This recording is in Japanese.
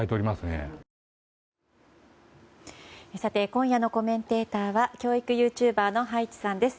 今夜のコメンテーターは教育ユーチューバーの葉一さんです。